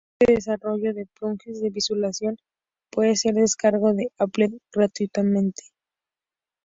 El kit de desarrollo de plugins de visualización puede ser descargado de Apple gratuitamente.